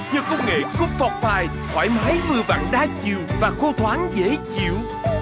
nhờ công nghệ cofopi thoải mái vừa vặn đa chiều và khô thoáng dễ chịu